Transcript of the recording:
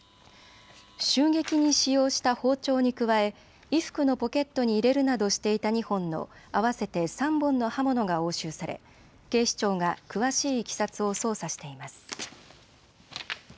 襲撃に使用した包丁に加え衣服のポケットに入れるなどしていた２本の合わせて３本の刃物が押収され警視庁が詳しいいきさつを捜査しています。